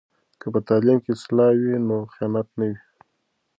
که په تعلیم کې اصلاح وي نو خیانت نه وي.